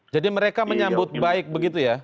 jadi mereka menyambut baik begitu ya